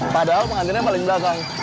padahal pengantinnya paling belakang